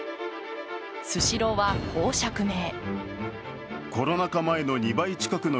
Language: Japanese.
スシローは、こう釈明。